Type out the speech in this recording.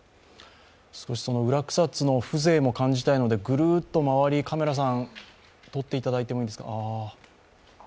裏草津の風情も感じたいので、ぐるっと周り、カメラさん、撮っていただいていいですか。